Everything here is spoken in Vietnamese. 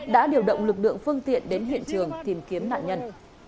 đã điều động lực lượng phương tiện đến hiện trường tìm kiếm nạn nhân